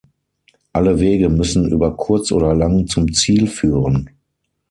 Alle Wege müssen über kurz oder lang zum Ziel führen.